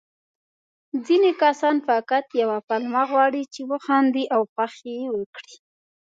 ځيني کسان فقط يوه پلمه غواړي، چې وخاندي او خوښي وکړي.